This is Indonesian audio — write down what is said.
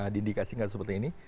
di indikasi kasus seperti ini